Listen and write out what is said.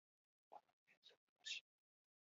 長野県須坂市